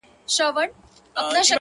o خدايه هغه داسي نه وه ـ